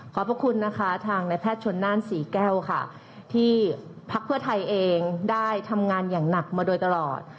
ขอบพระคุณนะคะทางในแพทย์ชนน่านศรีแก้วค่ะที่พักเพื่อไทยเองได้ทำงานอย่างหนักมาโดยตลอด